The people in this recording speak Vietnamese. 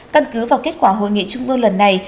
căn cứ vào kết quả hội nghị trung ương lần này